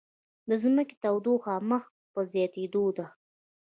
د ځمکې تودوخه مخ په زیاتیدو ده